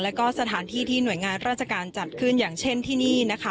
แล้วก็สถานที่ที่หน่วยงานราชการจัดขึ้นอย่างเช่นที่นี่นะคะ